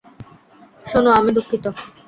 শোনো, আমি দুঃখিত।